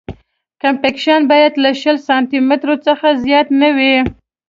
کمپکشن باید له شل سانتي مترو څخه زیات نه وي